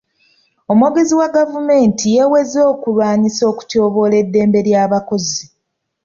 Omwogezi wa gavumenti yeeweze okulwanyisa okutyoboola eddembe ly'abakozi.